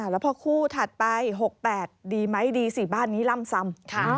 แล้วพอคู่ถัดไป๖๘ดีไหมดีสิบ้านนี้ล่ำซำ